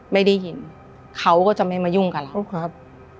ไม่ได้ยินเขาก็จะไม่มายุ่งกับเราครับ